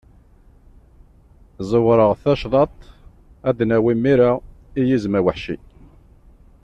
Zzewreɣ tacḍaṭ, ad d-nawi mira, i yizem aweḥci.